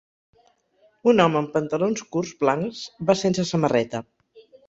Un home amb pantalons curts blancs va sense samarreta.